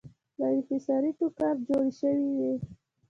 له انحصاري ټوکر جوړې شوې وې.